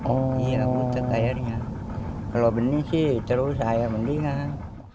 oh iya buta airnya kalau benih sih terus air mendingan